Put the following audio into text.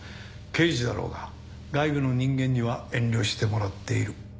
刑事だろうが外部の人間には遠慮してもらっている。